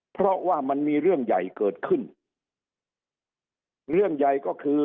เพราะว่ามันมีเรื่องใหญ่เกิดขึ้นเรื่องใหญ่ก็คือ